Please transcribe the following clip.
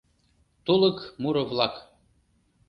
ТУЛЫК МУРО-ВЛАК.